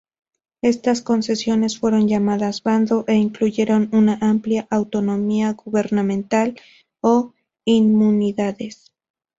Estas concesiones fueron llamadas bando, e incluyeron una amplia autonomía gubernamental, o inmunidades.